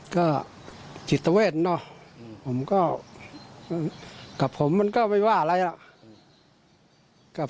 ก็จิตเวทเนอะผมก็กับผมมันก็ไม่ว่าอะไรหรอก